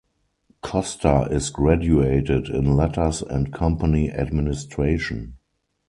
Costa is graduated in Letters and Company Administration.